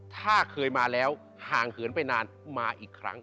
ถ้าเคยมาแล้วห่างเหินไปนานมาอีกครั้ง